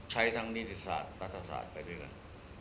ใช้ทั้งนิติศาสตร์รัฐศาสตร์ไปด้วยกัน